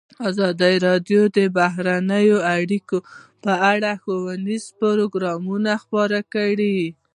ازادي راډیو د بهرنۍ اړیکې په اړه ښوونیز پروګرامونه خپاره کړي.